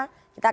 kita akan lihat